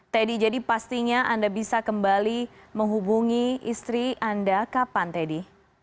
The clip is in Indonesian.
teddy jadi pastinya anda bisa kembali menghubungi istri anda kapan teddy